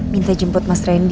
minta jemput mas randy